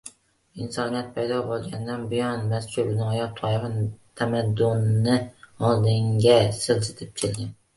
Insoniyat paydo bo‘lgandan buyon mazkur noyob toifa tamaddunni oldinga siljitib kelgan.